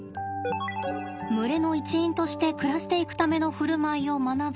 群れの一員として暮らしていくための振る舞いを学ぶ